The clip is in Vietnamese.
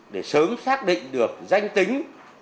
để sớm xác định được danh tính